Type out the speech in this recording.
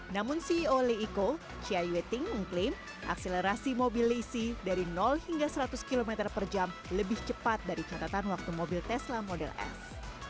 namun ceo leiko chia yue ting mengklaim akselerasi mobil lacy dari hingga seratus km per jam lebih cepat dari catatan waktu mobil tesla model s